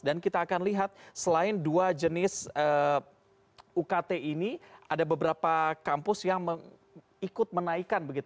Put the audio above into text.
dan kita akan lihat selain dua jenis ukt ini ada beberapa kampus yang ikut menaikan